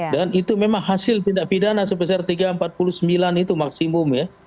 dan itu memang hasil tindak pidana sebesar tiga ratus empat puluh sembilan itu maksimum ya